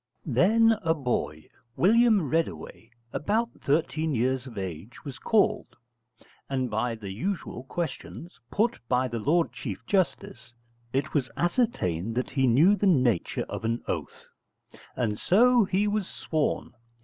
Then a boy, William Reddaway, about thirteen years of age, was called, and by the usual questions, put by the Lord Chief Justice, it was ascertained that he knew the nature of an oath. And so he was sworn.